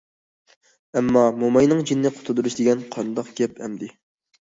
ئەمما موماينىڭ جېنىنى قۇتۇلدۇرۇش دېگەن قانداق گەپ ئەمدى.